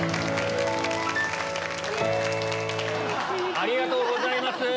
ありがとうございます！